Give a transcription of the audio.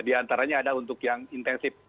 di antaranya ada untuk yang intensif